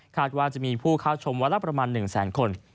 ว่าจะมีผู้เข้าชมวันละประมาณ๑แสนคน